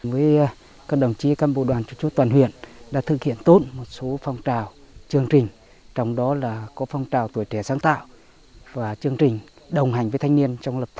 với các đồng chí cam bộ đoàn chủ chốt toàn huyện đã thực hiện tốt một số phong trào chương trình trong đó là có phong trào tuổi trẻ sáng tạo và chương trình đồng hành với thanh niên trong lập